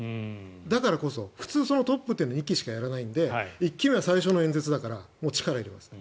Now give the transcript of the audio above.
だからこそ普通トップというのは２期しかやらないので、１期目は最初の演説だから力を入れます。